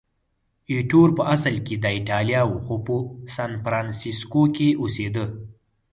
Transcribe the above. ایټور په اصل کې د ایټالیا و، خو په سانفرانسیسکو کې اوسېده.